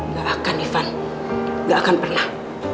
nggak akan ivan nggak akan pernah